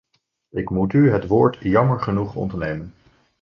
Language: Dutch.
Ik moet u het woord jammer genoeg ontnemen.